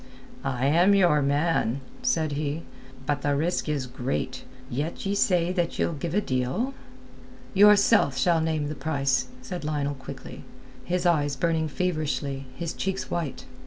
"I am your man," said he. "But the risk is great. Yet ye say that ye'ld give a deal...." "Yourself shall name the price," said Lionel quickly, his eyes burning feverishly, his cheeks white.